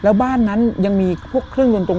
แล้วบ้านนั้นยังมีพวกเครื่องยนต์ตรง